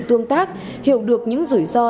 tương tác hiểu được những rủi ro